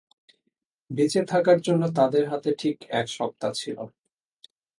বেঁচে থাকার জন্য তাদের হাতে ঠিক এক সপ্তাহ ছিল।